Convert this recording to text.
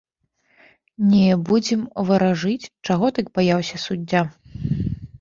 Не будзем варажыць, чаго так баяўся суддзя.